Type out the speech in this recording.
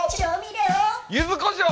ゆずこしょう。